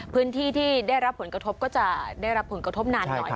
พื้นที่ที่ได้รับผลกระทบก็จะได้รับผลกระทบนานหน่อย